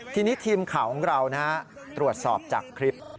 ทีนี้ทีมข่าวของเราตรวจสอบจากคลิป